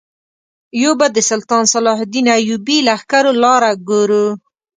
یو به د سلطان صلاح الدین ایوبي لښکرو لاره ګورو.